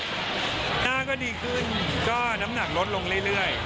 หน้าก็ดีขึ้นก็น้ำหนักลดลงเรื่อย